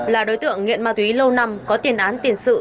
là đối tượng nghiện ma túy lâu năm có tiền án tiền sự